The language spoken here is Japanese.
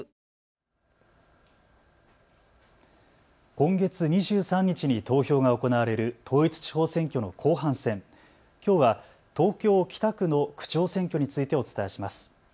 今月２３日に投票が行われる統一地方選挙の後半戦、きょうは東京北区の区長選挙についてお伝えします。